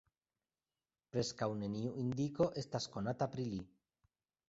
Preskaŭ neniu indiko estas konata pri li.